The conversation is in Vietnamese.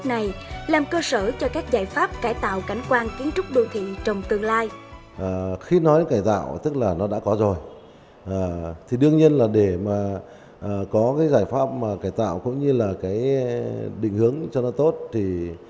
điều này làm cơ sở cho các giải pháp cải tạo cảnh quan kiến trúc đô thị trong tương lai